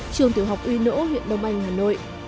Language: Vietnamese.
trường tiểu học uy nỗ huyện đông anh hà nội